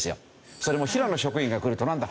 それもヒラの職員が来るとなんだ？